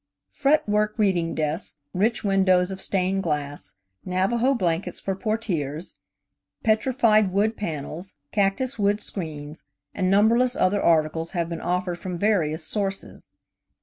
Fretwork reading desks, rich windows of stained glass, Navajo blankets for portières, petrified wood panels, cactus wood screens, and numberless other articles have been offered from various sources.